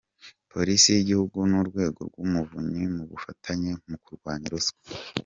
Polisi y’Igihugu n’Urwego rw’Umuvunyi mu bufatanye mu kurwanya ruswa